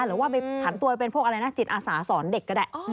หรือว่าถังตัวเป็นพวกจิตอาสาสอนเด็ก